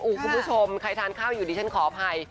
คุณผู้ชมใครทานข้าวอยู่ดิฉันขออภัย